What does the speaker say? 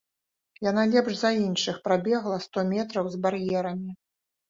Яна лепш за іншых прабегла сто метраў з бар'ерамі.